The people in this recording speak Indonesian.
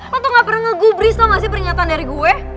lo tuh gak pernah ngeguh beri sama sih pernyataan dari gue